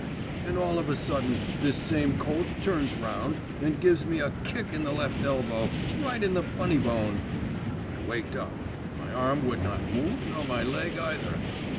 'And all of a sudden this same colt turns round, and gives me a kick in the left elbow, right in the funny bone.… I waked up; my arm would not move nor my leg either.